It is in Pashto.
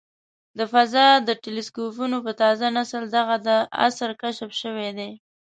د فضا د ټیلسکوپونو په تازه نسل دغه د عصر کشف شوی دی.